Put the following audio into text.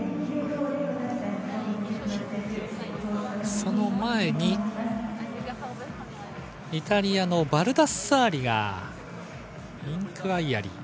その前にイタリアのバルダッサーリがインクワイアリー。